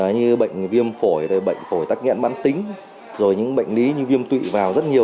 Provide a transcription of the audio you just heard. như bệnh viêm phổi bệnh phổi tắc nghẽn mãn tính rồi những bệnh lý như viêm tụy vào rất nhiều